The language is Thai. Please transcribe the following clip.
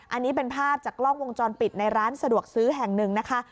อันนี้เป็นภาพจากกล้องวงจรปิดในร้านสะดวกซื้อแห่งหนึ่งนะคะ